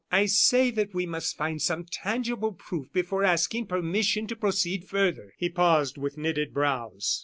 "I say that we must find some tangible proof before asking permission to proceed further." He paused with knitted brows.